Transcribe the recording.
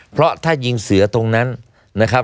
เพราะถ้ายิงเสือตรงนั้นนะครับ